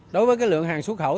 đối với lượng hàng xuất khẩu